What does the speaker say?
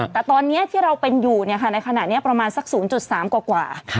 แต่ตอนนี้ที่เราเป็นอยู่ในขณะนี้ประมาณสัก๐๓กว่า